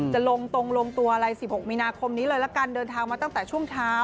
จะลงตรงลงตัวอะไร๑๖มีนาคมนี้เลยละกันเดินทางมาตั้งแต่ช่วงเช้า